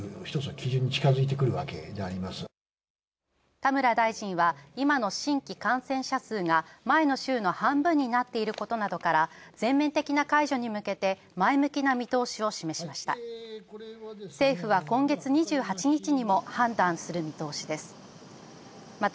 田村大臣は今の新規感染者数が前の週の半分になっていることなどから全面的な解除に向けて前向きな見通しを示しました。